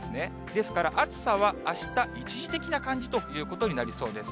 ですから暑さはあした、一時的な感じということになりそうです。